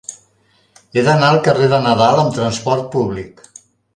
He d'anar al carrer de Nadal amb trasport públic.